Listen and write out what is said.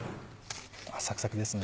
あサクサクですね。